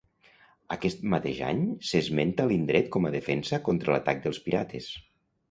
Aquest mateix any s'esmenta l'indret com a defensa contra l'atac dels pirates.